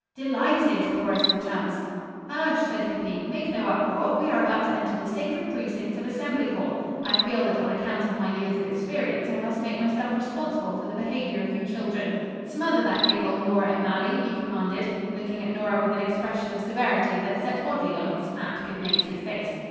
"De lighted," chorused the chums. "Hush," said Hippy. "Make no uproar. We are about to enter the sacred precincts of Assembly Hall. I feel that on account of my years of experience I must make myself responsible for the behavior of you children. Smother that giggle, Nora O'Malley," he commanded, looking at Nora with an expression of severity that set oddly on his fat, good natured face.